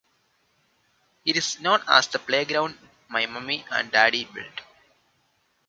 It is known as the playground my mommy and daddy built.